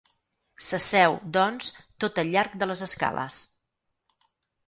S'asseu, doncs, tot al llarg de les escales.